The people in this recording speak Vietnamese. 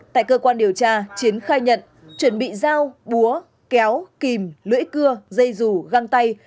tại cơ quan điều tra chiến khai nhận chuẩn bị dao búa kéo kìm lưỡi cưa dây rù găng tay